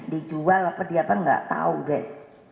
dijual apa diapa nggak tahu deh